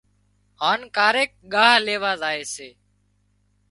هانَ ڪاريڪ ڳاه ليوا زائي